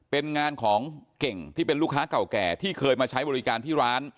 เป็นงานของเก่งที่เป็นลูกค้าเก่าแก่ที่เคยมาใช้บริการที่ร้าน